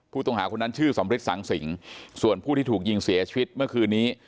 ผู้ต้องหาคนนั้นชื่อสำริทสังสิงส่วนผู้ที่ถูกยิงเสียชีวิตเมื่อคืนนี้